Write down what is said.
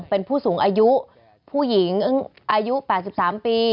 เป็นผู้สูงอายุผู้หญิงอายุ๘๓ปี